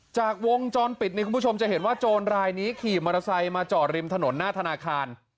จากวงจรปิดนี่คุณผู้ชมจะเห็นว่าโจรรายนี้ขี่มอเตอร์ไซค์มาจอดริมถนนหน้าธนาคาร